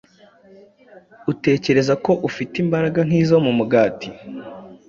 utekereza ko ufite imbaraga nkizo mu Mugati